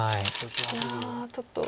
いやちょっと。